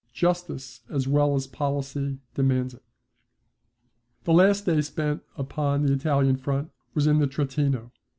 Justice as well as policy demands it. The last day spent upon the Italian front was in the Trentino.